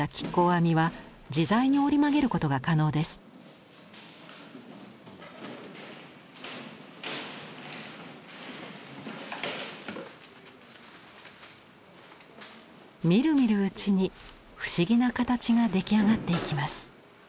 みるみるうちに不思議な形が出来上がっていきます。